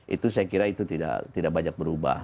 itu saya kira itu tidak banyak berubah